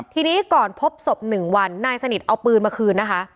ทีนี้ก่อนพบศพ๑วันนายสนิทเอาปืนมาคืนนะคะ